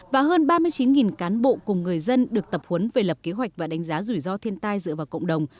và hơn ba mươi chín cán bộ cùng người dân được tập huấn về lập kế hoạch và đánh giá rủi ro thiên tai dựa vào cộng đồng